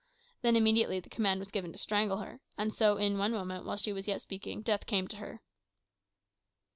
Then immediately the command was given to strangle her; and so, in one moment, while she was yet speaking, death came to her."